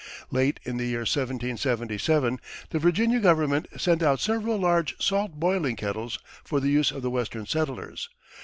Late in the year 1777 the Virginia government sent out several large salt boiling kettles for the use of the Western settlers.